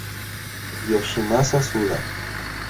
Yoshimasa Suda